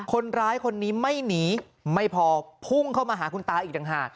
คนร้ายคนนี้ไม่หนีไม่พอพุ่งเข้ามาหาคุณตาอีกต่างหาก